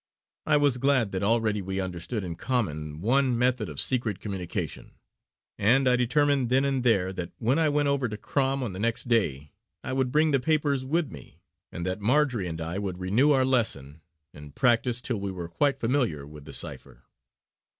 I was glad that already we understood in common one method of secret communication; and I determined then and there that when I went over to Crom on the next day I would bring the papers with me, and that Marjory and I would renew our lesson, and practice till we were quite familiar with the cipher.